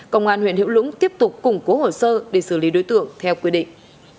công an huyện hữu lũng tiếp tục củng cố hồ sơ để xử lý đối tượng theo quy định